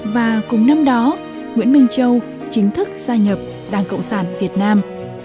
và cùng năm đó nguyễn minh châu chính thức gia nhập đảng cộng sản việt nam